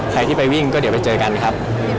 ใครที่ไปวิ่งก็เดี๋ยวไปเจอกันครับ